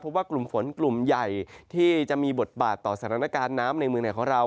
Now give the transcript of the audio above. เพราะว่ากลุ่มฝนกลุ่มใหญ่ที่จะมีบทบาทต่อสถานการณ์น้ำในเมืองไหนของเรา